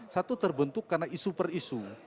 satu terbentuk karena isu per isu